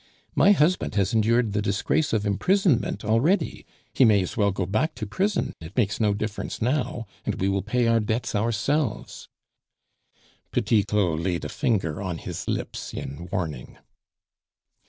My husband has endured the disgrace of imprisonment already; he may as well go back to prison, it makes no difference now, and we will pay our debts ourselves " Petit Claud laid a finger on his lips in warning.